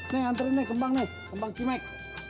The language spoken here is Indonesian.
nih anterin nih kembang nih kembang cimek